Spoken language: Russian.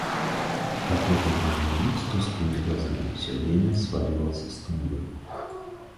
Какой-то гражданин с тусклыми глазами всё время сваливался с тумбы.